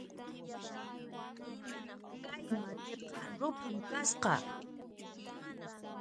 Kay matiqa ruphan kasqa